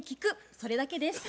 それだけです。